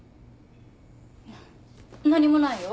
いや何もないよ。